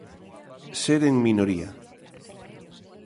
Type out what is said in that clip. Ser en minoría.